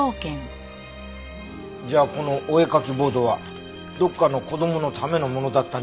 じゃあこのお絵かきボードはどっかの子供のためのものだったんじゃなく。